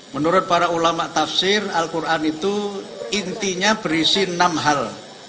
menurut para ulama tafsir al quran itu intinya berisi enam hal